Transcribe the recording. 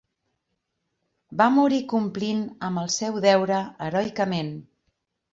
Va morir complint amb el seu deure heroicament .